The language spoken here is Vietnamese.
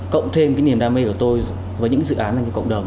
cộng thêm cái niềm đam mê của tôi với những dự án dành cho cộng đồng